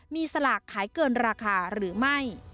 มีสลากขายเกินราคาหรือไม่